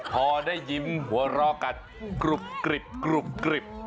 พอได้ยิ้มหัวลอกันกรุบกริบกรุบกริบ